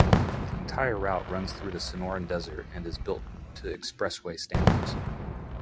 The entire route runs through the Sonoran Desert and is built to expressway standards.